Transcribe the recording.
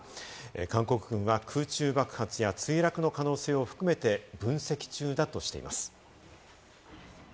韓国軍は空中爆発や墜落の可能性も含めて分析中だとしています。